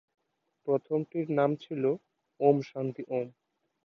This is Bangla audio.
প্রথমটির নাম ছিল ওম শান্তি ওম।